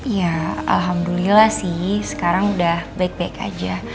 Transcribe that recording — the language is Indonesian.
ya alhamdulillah sih sekarang udah baik baik aja